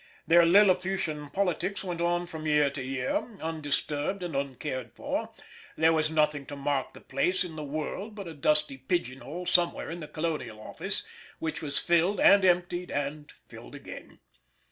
Their Lilliputian politics went on from year to year, undisturbed and uncared for; there was nothing to mark their place in the world but a dusty pigeon hole somewhere in the Colonial Office, which was filled, and emptied, and filled again.